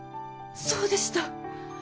そうでした！